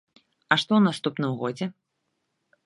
А што ў наступным годзе?